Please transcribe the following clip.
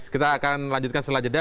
kita akan lanjutkan selanjutnya